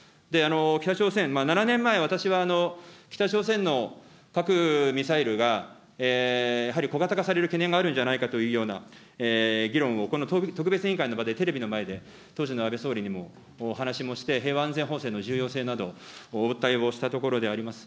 北朝鮮、７年前、私は北朝鮮の核ミサイルがやはり小型化される懸念があるんじゃないかというような、議論を、特別委員会の場で、テレビの前で、当時の安倍総理にもお話もして、平和安全法制の重要性など、お訴えをしたところであります。